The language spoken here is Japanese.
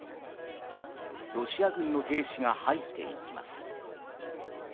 ロシア軍の兵士が入っていきます。